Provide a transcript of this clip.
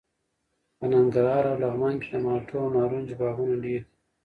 په ننګرهار او لغمان کې د مالټو او نارنجو باغونه ډېر دي.